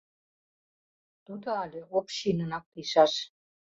Тудо але общинынак лийшаш.